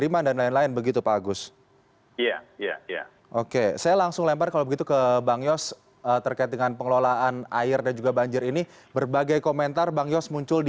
masyarakat harus bertanggung jawab juga terhadap banjir